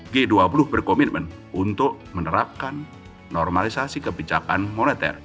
g dua puluh berkomitmen untuk menerapkan normalisasi kebijakan moneter